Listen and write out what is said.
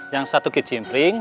yang satu ke cimpring